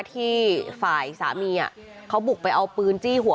ที่ฝ่ายสามีเขาบุกไปเอาปืนจี้หัว